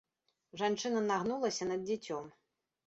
Жанчына нагнулася над дзіцём.